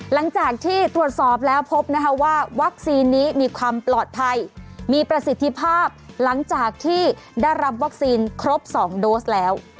หลังจากที่ตรวจสอบแล้วพบนะคะว่าวัคซีนนี้มีความปลอดภัยมีประสิทธิภาพหลังจากที่ได้รับวัคซีนครบ๒โดสแล้ว